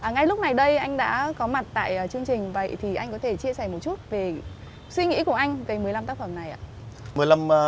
ngay lúc này đây anh đã có mặt tại chương trình vậy thì anh có thể chia sẻ một chút về suy nghĩ của anh về một mươi năm tác phẩm này ạ